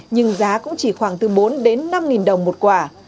nhưng giá cũng chỉ khoảng từ bốn đến năm đồng một quả